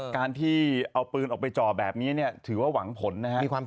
การที่เอาปืนออกไปจ่อแบบนี้ถือว่าหวังผลนะครับ